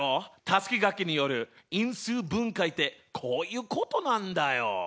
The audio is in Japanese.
たすきがけによる因数分解ってこういうことなんだよ。